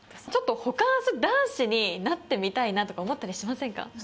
ちょっとホカンス男子になってみたいなとか思ったりしませんか？